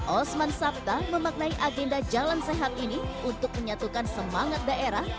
osman sabta memaknai agenda jalan sehat ini untuk menyatukan semangat daerah